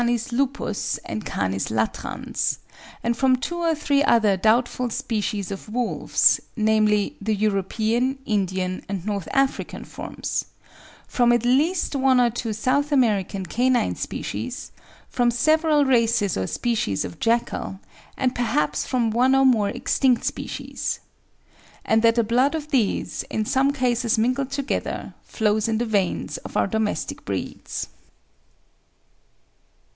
lupus_ and C. latrans), and from two or three other doubtful species of wolves namely, the European, Indian, and North African forms; from at least one or two South American canine species; from several races or species of jackal; and perhaps from one or more extinct species"; and that the blood of these, in some cases mingled together, flows in the veins of our domestic breeds.